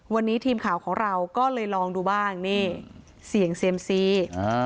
วันนี้ทีมข่าวของเราก็เลยลองดูบ้างนี่เสี่ยงเซียมซี